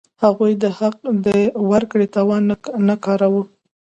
هغوی د حق د ورکړې توان نه کاراوه.